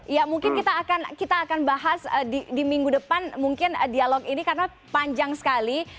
ya mungkin kita akan bahas di minggu depan mungkin dialog ini karena panjang sekali